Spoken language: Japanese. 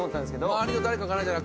周りの誰かかな